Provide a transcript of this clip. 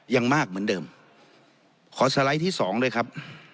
ยังมากเหมือนเดิมขอสไลด์ที่สองด้วยครับ